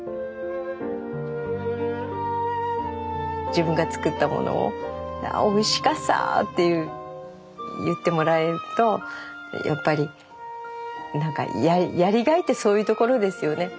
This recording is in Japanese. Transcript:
自分が作ったものをおいしかさって言ってもらえるとやっぱりやりがいってそういうところですよね。